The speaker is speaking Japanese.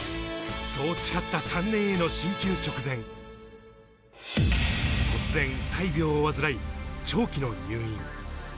そう誓った３年への進級直前、突然、大病を患い長期の入院。